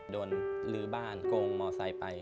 โดนลื้อบ้านกงมอร์ไซค์ไป